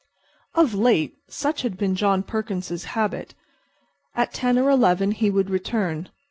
Of late such had been John Perkins's habit. At ten or eleven he would return.